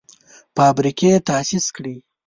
فابریکې تاسیس کړي.